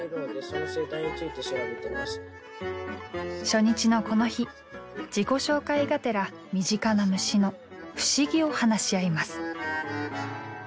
初日のこの日自己紹介がてら身近な虫の不思議を話し合います。